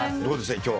今日は。